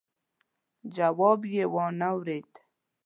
جواب يې وانه ورېد.